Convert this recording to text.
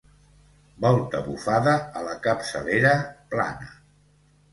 Volta bufada a la capçalera, plana.